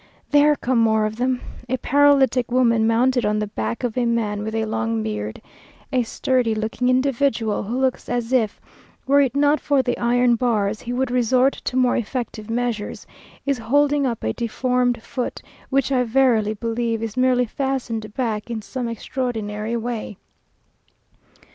There come more of them! A paralytic woman mounted on the back of a man with a long beard. A sturdy looking individual, who looks as if, were it not for the iron bars, he would resort to more effective measures, is holding up a deformed foot, which I verily believe is merely fastened back in some extraordinary way.